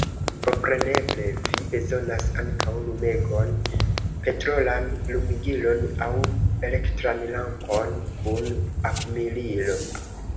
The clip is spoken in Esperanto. Kompreneble, vi bezonas ankaŭ lumegon – petrolan lumigilon aŭ elektran lampon kun akumulilo.